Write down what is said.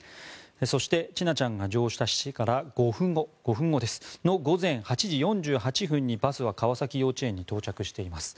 そして、千奈ちゃんが乗車してから５分後の午前８時４８分にバスは川崎幼稚園に到着しています。